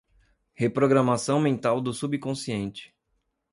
Reprogramação mental do subconsciente